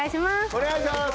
お願いします